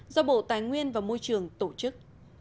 do bộ tài nguyên và môi trường tổ chức